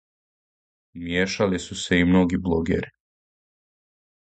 Умијешали су се и многи блогери.